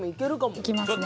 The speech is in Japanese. いきますね。